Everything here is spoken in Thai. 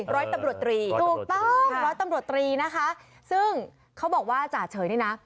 ร้อยตำรวจตรีถูกต้องร้อยตำรวจตรีนะคะซึ่งเขาบอกว่าจ่าเฉยนี่นะ